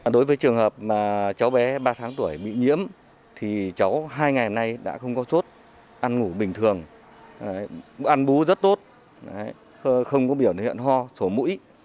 đối với trường hợp cháu bé ba tháng tuổi bị nhiễm thì cháu hai ngày nay đã không có sốt ăn ngủ bình thường bữa ăn bú rất tốt không có biểu hiện ho sổ mũi